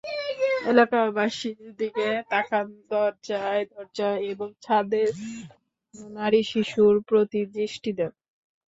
এলাকাবাসীর দিকে তাকান দরজায় দরজায় এবং ছাদে দাঁড়ানো নারী-শিশুর প্রতি দৃষ্টি দেন।